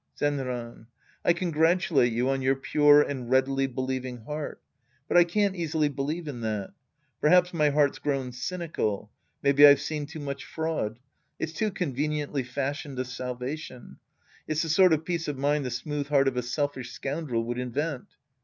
Zenran. I congratulate you on your pure and readily believing heart. But I can't easily believe in that. Perhaps my heart's grown cynical. Maybe I've seen too much fraud. It's too conveniently fashioned a salvation. It's the sort of peace of mind the smooth heart of a selfish scoundrel would invent.